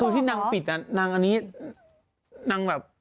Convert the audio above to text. คือที่นางปิดนี่นางนังนางแบบ